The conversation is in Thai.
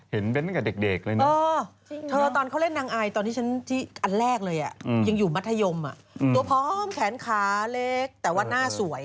เห็นเป็นตั้งแต่เด็กเลยนะ